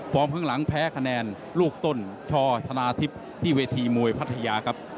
ข้างหลังแพ้คะแนนลูกต้นชอธนาทิพย์ที่เวทีมวยพัทยาครับ